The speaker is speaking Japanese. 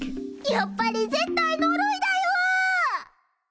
やっぱり絶対呪いだよ！